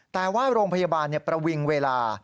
แต่ว่าโรงพยาบาลประวิงเวลา